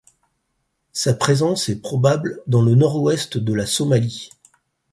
Sa présence est probable dans le nord-ouest de la Somalie.